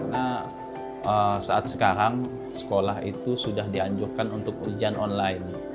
nah saat sekarang sekolah itu sudah dianjurkan untuk ujian online